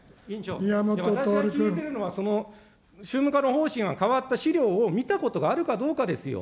私が聞いているのは、その宗務課の方針が変わった資料を見たことがあるかどうかですよ。